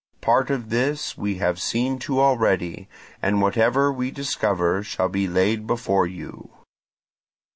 Part of this we have seen to already, and whatever we discover shall be laid before you."